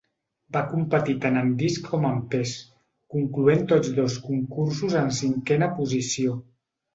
Va competir tant en disc com en pes, concloent tots dos concursos en cinquena posició.